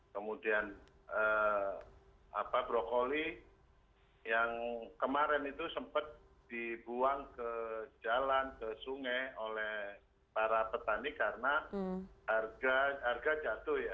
kemudian brokoli yang kemarin itu sempat dibuang ke jalan ke sungai oleh para petani karena harga jatuh ya